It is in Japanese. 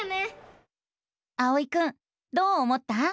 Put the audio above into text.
あおいくんどう思った？